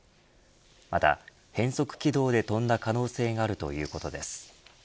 また変則軌道で飛んだ可能性があるということです。